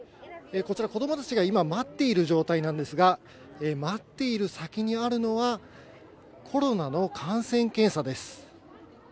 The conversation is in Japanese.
こちら、子どもたちが今、待っている状態なんですが、待っている先にあるのは、コロナの感染検査です。